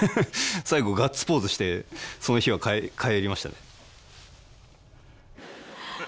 最後ガッツポーズしてその日は帰りましたね。